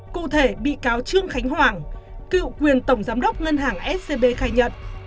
cụ thể bị cáo trương khánh hoàng cựu quyền tổng giám đốc ngân hàng scb khai nhận